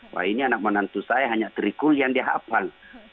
wah ini anak menantu saya hanya trikul yang di hafal